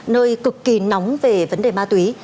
nơi cực kỳ nóng về vấn đề ma túy